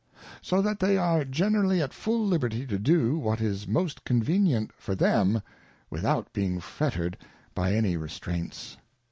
So that they are generally at full liberty to do what is most convenient for them, without being fettered by any Restraints.